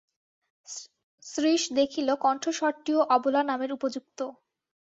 শ্রীশ দেখিল কণ্ঠস্বরটিও অবলা নামের উপযুক্ত।